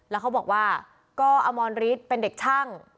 แล้วเขาบอกว่าก็อมรฤทธิ์เป็นเด็กช่าง